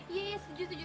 iya iya setuju setuju